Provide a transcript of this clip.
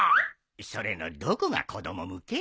それのどこが子供向け？